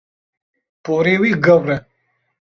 Porê wî gewr e.